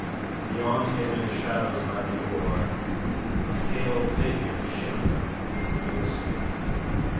Beyond him in the shadows by the door a pale figure shimmered ghostly.